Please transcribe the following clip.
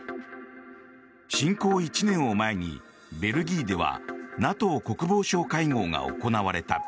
侵攻１年を前にベルギーではＮＡＴＯ国防相会合が行われた。